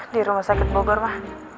di rumah sakit bogor mah